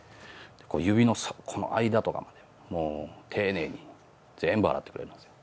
指の間とかまで、もう、丁寧に全部洗ってくれるんですよ。